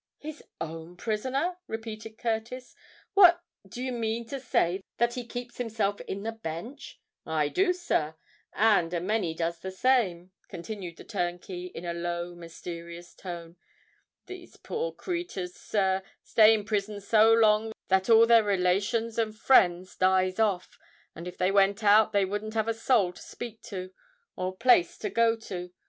"His own prisoner!" repeated Curtis. "What—do you mean to say that he keeps himself in the Bench?" "I do, sir—and a many does the same," continued the turnkey, in a low, mysterious tone. "These poor creaturs, sir, stay in prison so long that all their relations and friends dies off; and if they went out, they wouldn't have a soul to speak to, or a place to go to.